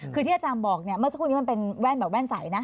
คือที่อาจารย์บอกเนี่ยเมื่อสักครู่นี้มันเป็นแว่นแบบแว่นใสนะ